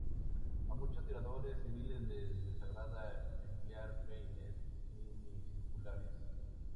A muchos tiradores civiles les desagrada emplear peines semicirculares.